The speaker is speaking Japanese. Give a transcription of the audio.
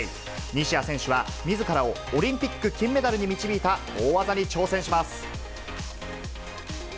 西矢選手はみずからをオリンピック金メダルに導いた大技に挑戦します。